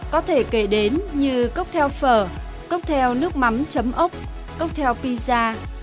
có thể kể đến như cocktail phở cocktail nước mắm chấm ốc cocktail pizza